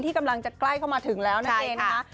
กำลังจะใกล้เข้ามาถึงแล้วนั่นเองนะคะ